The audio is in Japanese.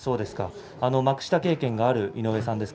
幕下経験がある井上さん